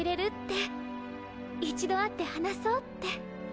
一度会って話そうって。